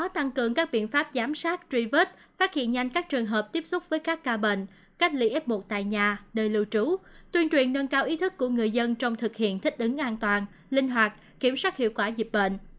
tăng cường các biện pháp giám sát truy vết phát hiện nhanh các trường hợp tiếp xúc với các ca bệnh cách ly f một tại nhà nơi lưu trú tuyên truyền nâng cao ý thức của người dân trong thực hiện thích ứng an toàn linh hoạt kiểm soát hiệu quả dịch bệnh